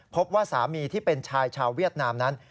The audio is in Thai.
พบว่าสามีที่เป็นชายชาวเวียดนามนั้น